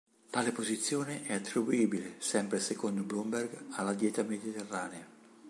Tale posizione è attribuibile, sempre secondo Bloomberg, alla dieta mediterranea.